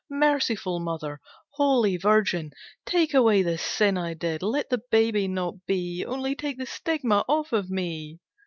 Merciful Mother, Holy Virgin, take away this sin I did. Let the baby not be. Only take the stigma off of me!